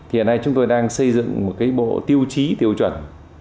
hiện nay chúng tôi đang xây dựng một bộ tiêu chí tiêu chuẩn